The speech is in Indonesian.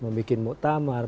mau bikin muktamar